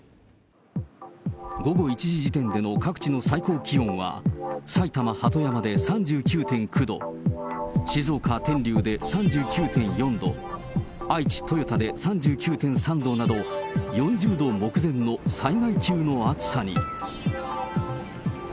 午後１時時点での各地の最高気温は、埼玉・鳩山で３９．９度、静岡・天竜で３９．４度、愛知・豊田で３９．３度など、４０度目前の災害級の暑さに。